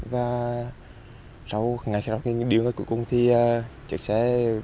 và sau ngày sau khi đưa ra cuối cùng thì trực sẽ